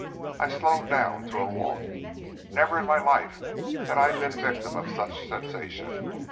I slowed down to a walk. Never in my life had I been victim of such sensation.